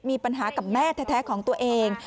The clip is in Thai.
มีปัญหากับแม่แท้ของตัวเอง